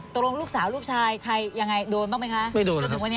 ตรงลูกสาวลูกชายโดนบ้างไหมค่ะ